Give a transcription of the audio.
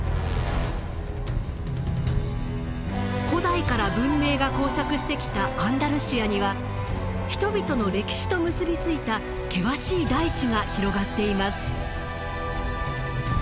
古代から文明が交錯してきたアンダルシアには人々の歴史と結び付いた険しい大地が広がっています。